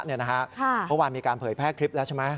เมื่อวานมีการเผยแพร่คลิปแล้วใช่ไหม